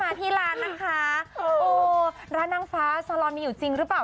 รอให้หมดโควิดก่อนนะคะค่อยมาที่ร้านนะคะโอ้ร้านนางฟ้าสาหร่อนมีอยู่จริงหรือเปล่า